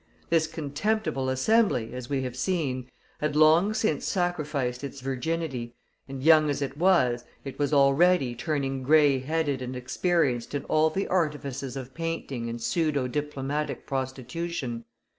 This contemptible Assembly, as we have seen, had long since sacrificed its virginity, and young as it was, it was already turning grey headed and experienced in all the artifices of painting and pseudo diplomatic prostitution.